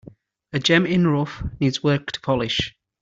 A gem in the rough needs work to polish.